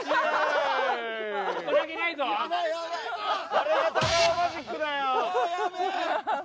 あれが太川マジックだよ。